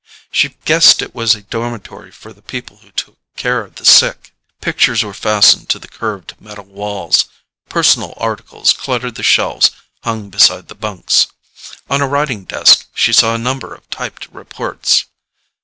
She guessed it was a dormitory for the people who took care of the sick. Pictures were fastened to the curved, metal walls. Personal articles cluttered the shelves hung beside the bunks. On a writing desk she saw a number of typed reports.